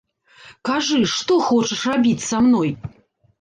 Кажы, што хочаш рабіць са мной?!